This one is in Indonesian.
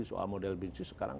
soal model business sekarang